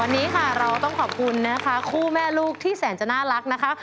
วันนี้ค่ะเราต้องขอบคุณนะคะคู่แม่ลูกที่แสนจะน่ารักนะคะ